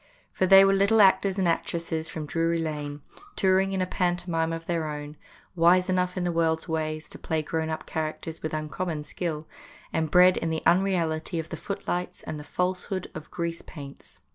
For they were little actors and actresses from Drury Lane, tour ing in a pantomime of their own ; wise enough in the world's ways to play grown up characters with uncommon skill, and bred in the unreality of the footlights and the falsehood of grease paints.